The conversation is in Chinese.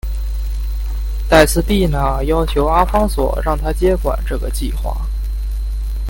黛丝碧娜要求阿方索让她接管这个计画。